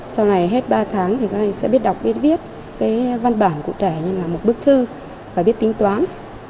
sau này hết ba tháng thì các anh sẽ biết đọc biết viết cái văn bản cụ thể như là một bức thư và biết tính toán